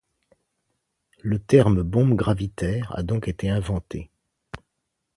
Le terme bombe gravitaire a donc été inventé.